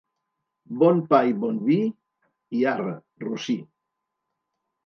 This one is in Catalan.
Bon pa i bon vi, i arre, rossí.